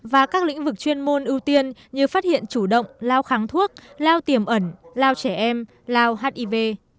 và các lĩnh vực chuyên môn ưu tiên như phát hiện chủ động lao kháng thuốc lao tiềm ẩn lao trẻ em lao hiv